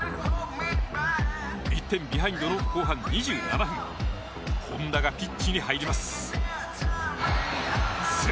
１点ビハインドの後半２７分本田がピッチに入ります。